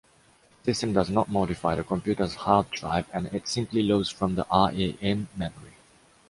The system does not modify the computer’s hard drive and it simply loads from the RAM memory.